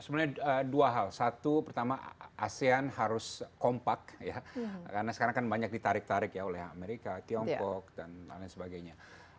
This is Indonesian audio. sebenarnya dua hal satu pertama asean harus kompak ya karena sekarang kan banyak ditarik tarik ya oleh amerika tiongkok dan lain sebagainya